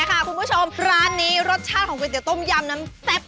ไปค่ะครับผมครับผม